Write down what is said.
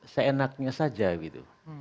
seenaknya saja gitu